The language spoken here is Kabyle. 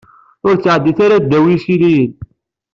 Ur ttɛeddit ara ddaw yisiliyen.